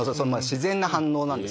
自然な反応なんですね。